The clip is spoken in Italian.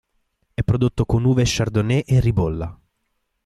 È prodotto con uve chardonnay e ribolla.